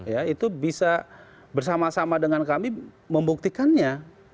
ya itu bisa bersama sama dengan kami membuktikannya